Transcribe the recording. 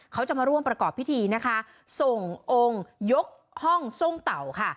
เขาจะมาร่วมประกอบพิธีนะคะส่งองค์ยกห้องทรงเต่าค่ะ